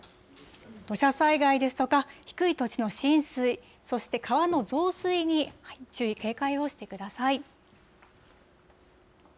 土砂災害ですとか、低い土地の浸水、そして、川の増水に注意、警戒をしてください。